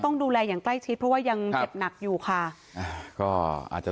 ต้องดูแลอย่างใกล้ชิดเพราะว่ายังเจ็บหนักอยู่ค่ะอ่าก็อาจจะ